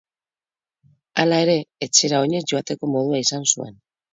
Hala ere, etxera oinez joateko modua izan zuen.